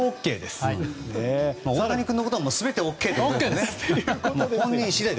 大谷君のことは全てＯＫとね。